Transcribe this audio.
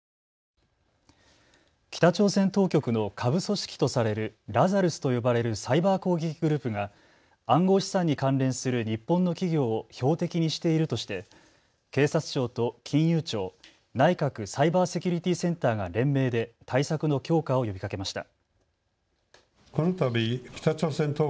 北朝鮮当局の下部組織とされるラザルスと呼ばれるサイバー攻撃グループが暗号資産に関連する日本の企業を標的にしているとして警察庁と金融庁、内閣サイバーセキュリティセンターが連名で対策の強化を呼びかけました。